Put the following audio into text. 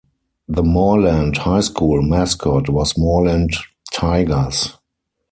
The Morland High School mascot was Morland Tigers.